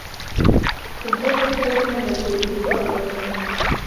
ku bwo kutabona amacumbi i Rwamagana.